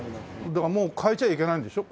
だからもう変えちゃいけないんでしょ？